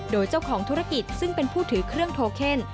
โดยเจ้าของธุรกิจซึ่งเป็นผู้ถือเครื่องโทเคน